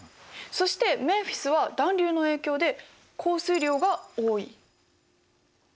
そしてメンフィスは暖流の影響で降水量が多い。